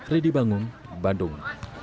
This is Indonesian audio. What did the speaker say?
redi bangung bandung